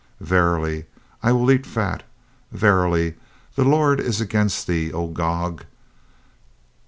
Verily, I will eat fat. Verily, the Lord is against thee, oh Gog."